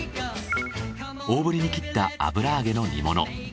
大ぶりに切った油揚げの煮物。